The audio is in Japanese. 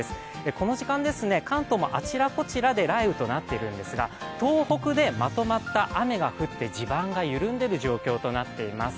この時間、関東もあちらこちらで雷雨となっているんですが東北でまとまった雨が降って地盤が緩んでいる状況となっています。